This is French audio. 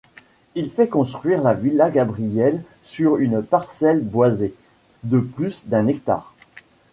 Il fait construire la villa Gabrielle sur une parcelle boisée de plus d'un hectare.